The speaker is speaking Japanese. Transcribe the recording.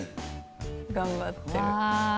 頑張ってる。